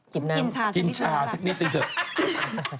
กินชาซักนิดนึงค่ะล่ะหมดกินน้ำ